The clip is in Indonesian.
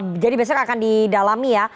oke jadi besok akan didalami ya